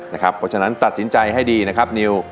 เพราะฉะนั้นตัดสินใจให้ดีนะครับนิว